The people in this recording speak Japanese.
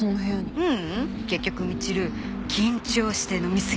うんうん。